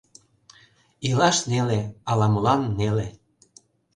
Илаш неле, ала-молан неле...